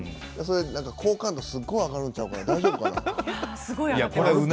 好感度すごく上がるんちゃうかな大丈夫かな。